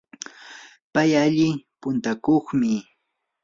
pay alli puntakuqmi.